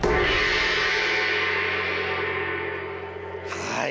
はい。